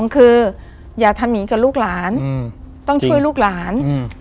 คืออย่าทำอย่างนี้กับลูกหลานต้องช่วยลูกหลาน